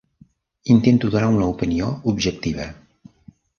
Intento donar una opinió objectiva.